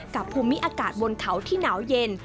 ภูมิอากาศบนเขาที่หนาวเย็น